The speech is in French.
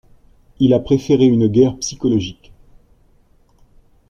Il a préféré une guerre psychologique.